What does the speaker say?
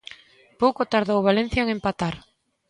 Pouco tardou o Valencia en empatar.